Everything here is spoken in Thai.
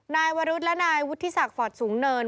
นายวรุธและนายวุฒิษักษ์ฝอดสูงเนิน